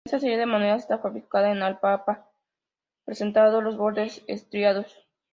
Esta serie de monedas, está fabricada en alpaca, presentando los bordes estriados.